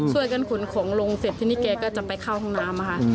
ส่วนการขนของลงเสร็จที่นี่แกก็จะไปเข้าท่องน้ำค่ะ